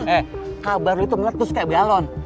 eh kabar lu itu meletus kayak galon